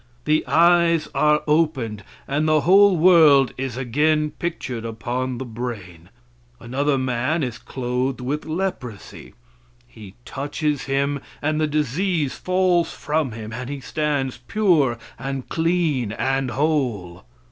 The eyes are opened and the whole world is again pictured upon the brain. Another man is clothed with leprosy. He touches him, and the disease falls from him, and he stands pure, and clean, and whole.